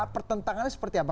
pertentangan seperti apa